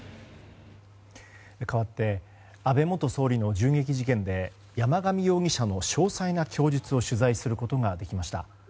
かわって安倍元総理の銃撃事件で山上容疑者の詳細な供述を取材することができました。